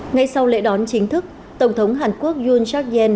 ngay sau lễ đón chính thức tổng thống hàn quốc yoon seok yen